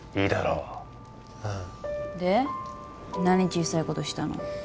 何小さいことしたの？